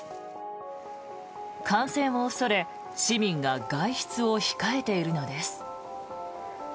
感染を恐れ市民が外出を控えているのです。